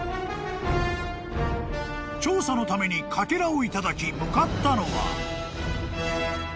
［調査のためにかけらを頂き向かったのは］